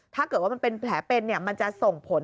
ถ้าเกิดว่ามันเป็นแผลเป็นมันจะส่งผล